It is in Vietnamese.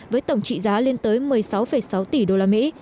với tổng trị giá lên tới một mươi sáu sáu tỷ usd